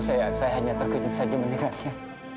saya hanya terkejut saja mendengarnya